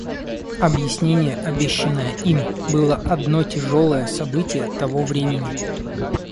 Объяснение, обещанное им, было одно тяжелое событие того времени.